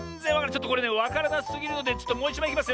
ちょっとこれねわからなすぎるのでちょっともういちまいいきますよ。